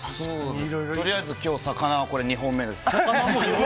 とりあえず今日は魚は２本目です。